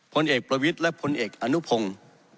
พลเอกประวิทย์และพลเอกอนุพงศ์